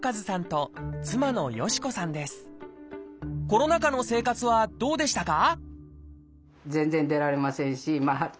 コロナ禍の生活はどうでしたか？